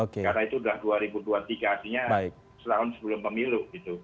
karena itu udah dua ribu dua puluh tiga artinya setahun sebelum pemilu gitu